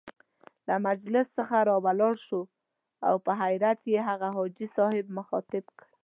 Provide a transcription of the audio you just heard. له مجلس څخه را ولاړ شو او په حيرت يې هغه حاجي مخاطب کړ.